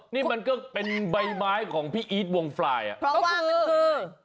นี่มันก็เป็นใบไม้ของพี่อีทวงฟลายอ่ะเพราะว่ามันคือ